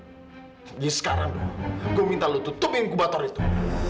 jadi sekarang gue minta lo tutup inkubator itu